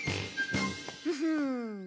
フフーン。